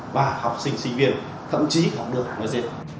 và học sinh sinh viên thậm chí học được